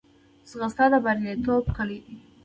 ځغاسته د بریالیتوب کلۍ ده